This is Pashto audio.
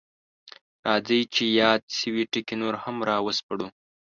راځئ چې یاد شوي ټکي نور هم راوسپړو: